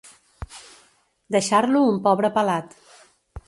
Deixar-lo un pobre pelat.